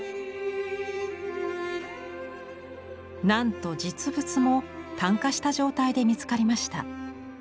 なんと実物も炭化した状態で見つかりました。